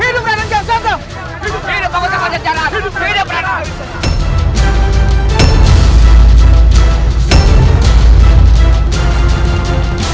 hidup putra pancingearat